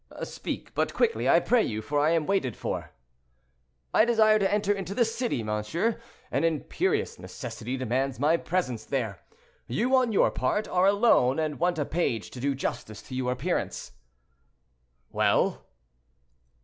"Speak; but quickly, I pray you, for I am waited for." "I desire to enter into the city, monsieur; an imperious necessity demands my presence there. You, on your part, are alone, and want a page to do justice to your appearance." "Well?"